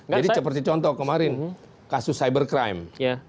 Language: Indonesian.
jadi seperti contoh kemarin kasus cybercrime